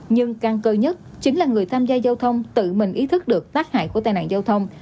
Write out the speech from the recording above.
nhưng căng cơ nhất chính là người tham gia giao thông tự mình ý thức được tác hại của tai nạn giao thông